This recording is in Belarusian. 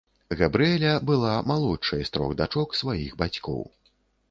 Габрыэля была малодшай з трох дачок сваіх бацькоў.